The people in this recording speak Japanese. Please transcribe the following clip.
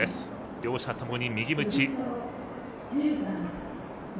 両者ともに右むち。